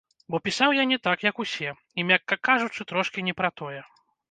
Бо пісаў я не так, як усе і, мякка кажучы, трошкі не пра тое.